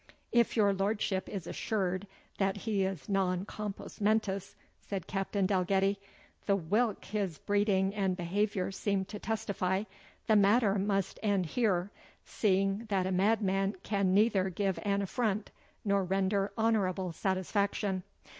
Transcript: "If your lordship is assured that he is NON COMPOS MENTIS," said Captain Dalgetty, "the whilk his breeding and behaviour seem to testify, the matter must end here, seeing that a madman can neither give an affront, nor render honourable satisfaction.